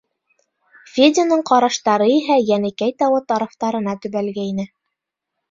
Федяның ҡараштары иһә Йәнекәй тауы тарафтарына төбәлгәйне.